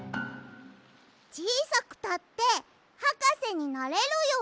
ちいさくたってはかせになれるよ。